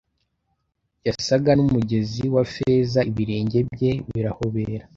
yasaga n'umugezi wa feza, ibirenge bye birahobera.